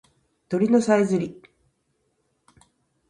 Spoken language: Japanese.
鳥のさえずり